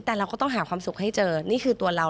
แต่เราก็ต้องหาความสุขให้เจอนี่คือตัวเรา